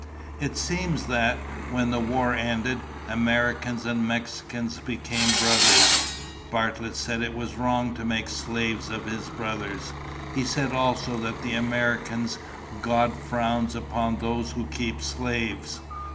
"It seems that, when the war ended, Americans and Mexicans became brothers. Bartlett said it was wrong to make slaves of his brothers. He said also that the Americans' God frowns upon those who keep slaves.